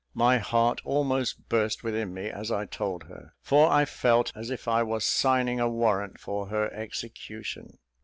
My heart almost burst within me, as I told her, for I felt as if I was signing a warrant for her execution.